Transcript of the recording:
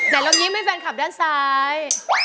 แต่เรายิ้มให้แฟนคลับด้านซ้าย